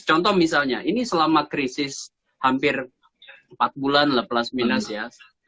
contoh misalnya ini selama krisis hampir empat bulan lah plus minus ya